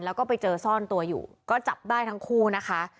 แล้วก็ไปเจอซ่อนตัวอยู่ก็จับได้ทั้งคู่นะคะ